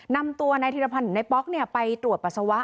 นำตัวในทีละพันธุ์หรือในป๊อกไปตรวจปัสสาวะ